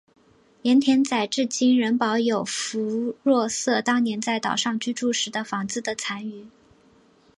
盐田仔至今仍保有福若瑟当年在岛上居住时的房子的残余。